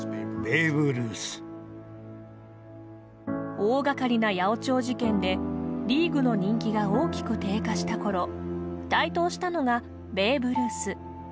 大がかりな八百長事件でリーグの人気が大きく低下した頃台頭したのがベーブ・ルース。